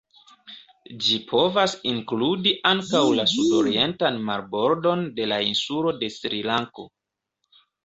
Ĝi povas inkludi ankaŭ la sudorientan marbordon de la insulo de Srilanko.